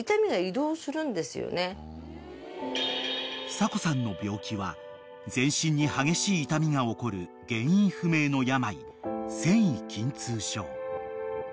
［久子さんの病気は全身に激しい痛みが起こる原因不明の病線維筋痛症］